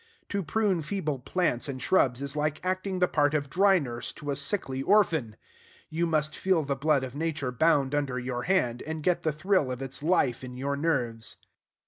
To prune feeble plants and shrubs is like acting the part of dry nurse to a sickly orphan. You must feel the blood of Nature bound under your hand, and get the thrill of its life in your nerves.